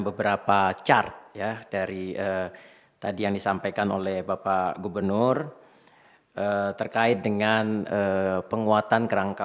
beberapa chart ya dari tadi yang disampaikan oleh bapak gubernur terkait dengan penguatan kerangka